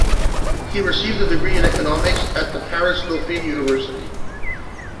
He received a degree in economics at the Paris Dauphine University.